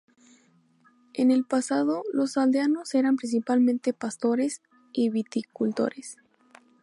En el pasado, los aldeanos eran principalmente pastores y viticultores.